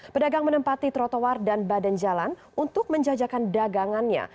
pedagang menempati trotoar dan badan jalan untuk menjajakan dagangannya